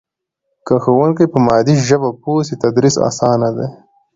که ښوونکی په مادي ژبه پوه سي تدریس اسانه دی.